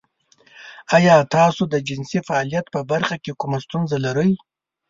ایا تاسو د جنسي فعالیت په برخه کې کومه ستونزه لرئ؟